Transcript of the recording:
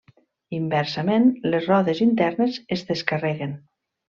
Inversament, les rodes internes es descarreguen.